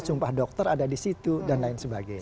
sumpah dokter ada disitu dan lain sebagainya